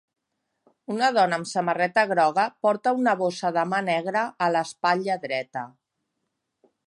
Una dona amb samarreta groga porta una bossa de mà negra a l'espatlla dreta.